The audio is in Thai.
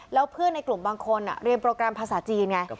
แล้วเพื่อนในกลุ่มบางคนเรียนโปรแกรมภาษาจีนไง